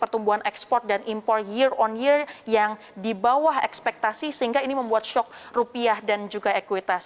pertumbuhan ekspor dan impor year on year yang di bawah ekspektasi sehingga ini membuat shock rupiah dan juga ekuitas